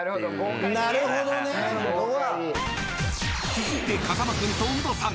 ［続いて風間君とウドさん］